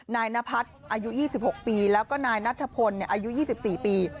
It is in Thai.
นายนพัฒน์อายุ๒๖ปีแล้วก็นายนัทธพลอายุ๒๔ปี